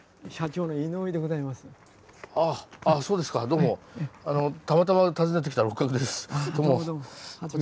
どうもたまたま訪ねてきた六角です。